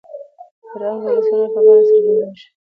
فرهنګ د ولسي هنر په بڼه څرګندېږي.